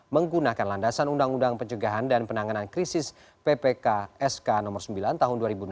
menggunakan landasan undang undang pencegahan dan penanganan krisis ppksk nomor sembilan tahun dua ribu enam belas